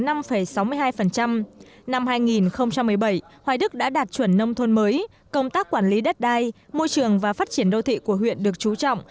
năm hai nghìn một mươi bảy hoài đức đã đạt chuẩn nông thôn mới công tác quản lý đất đai môi trường và phát triển đô thị của huyện được chú trọng